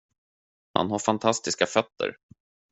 Han har fantastiska fötter.